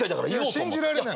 信じられない。